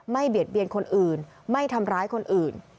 เบียดเบียนคนอื่นไม่ทำร้ายคนอื่น